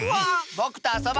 ぼくとあそぶ！